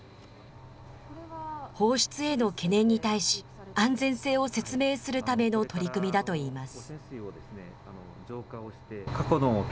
放出への懸念に対し、安全性を説明するための取り組みだといいます。